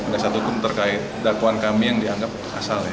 tidak satu pun terkait dakwaan kami yang dianggap asal ya